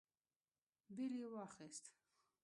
بېل يې واخيست.